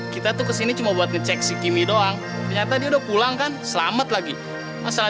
kita tuh kesini cuma buat ngecek si kimi doang ternyata dia udah pulang kan selamat lagi masalah